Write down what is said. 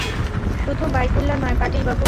শুধু বাইকুল্লা নয়, পাটিল বাবু।